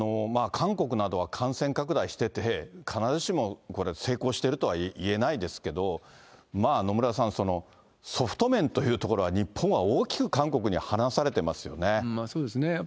韓国などは感染拡大してて、必ずしもこれ、成功しているとは言えないですけど、野村さん、ソフト面というところは日本は大きく韓国に離されてますよね。